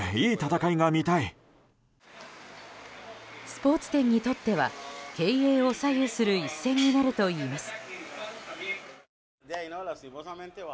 スポーツ店にとっては経営を左右する一戦になるといいます。